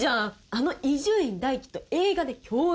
あの伊集院大樹と映画で共演。